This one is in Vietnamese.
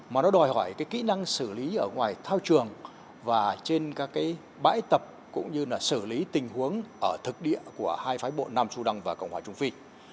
mà nó đòi hỏi kỹ năng xử lý ở ngoài thao trường và trên các bãi tập cũng như xử lý tình huống ở thực địa của hai phái bộ nam xu đăng và cộng hòa trung phi